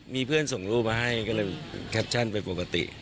มีเพื่อนส่งรูปมาให้ก็เลยแคปชั่นเป็นปกติ